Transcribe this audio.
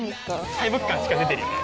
大木感しっかり出てるよね